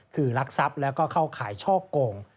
คือรักทรัพย์แล้วก็เข้าข่ายช่อโกง